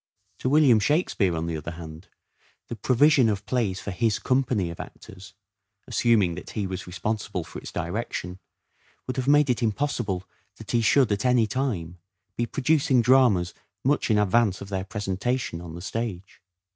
To William Shakspere on the other hand, the provision of plays for his company of actors (assuming that he was responsible for its direction) would have made it impossible that he should, at any time, be producing dramas much in advance of their presentation on the Writing and issuing. Rapid issue. 376 "SHAKESPEARE" IDENTIFIED stage.